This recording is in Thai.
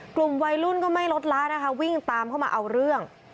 กลุ่มวัยรุ่นก็ไม่ลดละนะคะวิ่งตามเข้ามาเอาเรื่อง